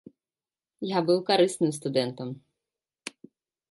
Я быў карысным студэнтам.